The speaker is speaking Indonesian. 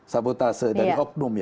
sabotase dari oknum